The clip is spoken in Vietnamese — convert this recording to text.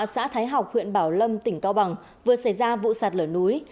xã thái học huyện bảo lâm tỉnh cao bằng vừa xảy ra vụ sạt lở núi